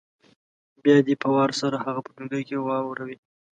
بیا دې په وار سره هغه په ټولګي کې واوروي